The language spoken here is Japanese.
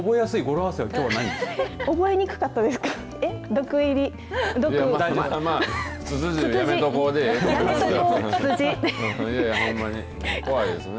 なんか覚えやすい語呂合わせは特にないんですか。